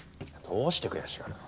どうして悔しがるの。